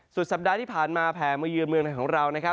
สุดสัปดาห์ที่ผ่านมาแผงมายืนเมืองไทยของเรา